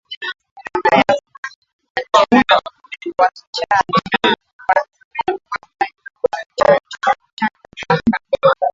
Namna ya kukabiliana na ugonjwa wa kichaa cha mbwa ni kuwapa chanjo paka